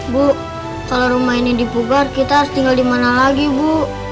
bu kalau rumah ini dipugar kita harus tinggal di mana lagi bu